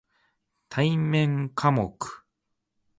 対面科目